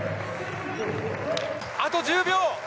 あと１０秒。